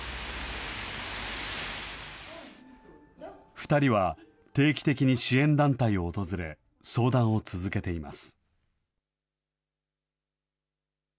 ２人は定期的に支援団体を訪れ、相談を続けています。